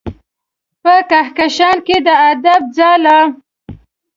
په کهکشان کې د ادب ځاله